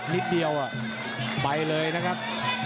นิดเดียวไปเลยนะครับ